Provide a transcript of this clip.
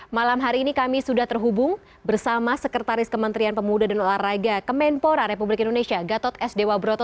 malam hari ini kami sudah terhubung bersama sekretaris kementerian pemuda dan olahraga kemenpora republik indonesia gatot s dewa broto